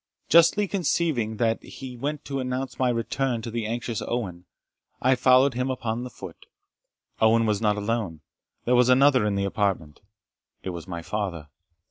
Justly conceiving that he went to announce my return to the anxious Owen, I followed him upon the foot. Owen was not alone, there was another in the apartment it was my father.